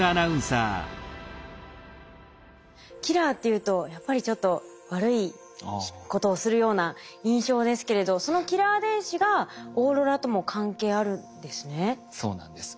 「キラー」っていうとやっぱりちょっと悪いことをするような印象ですけれどそのキラー電子がオーロラとも関係あるんですね。